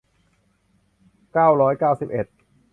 เก้าร้อยเก้าสิบเจ็ด